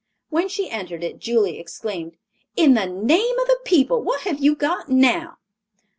When she entered it, Julia exclaimed, "In the name of the people, what have you got now?"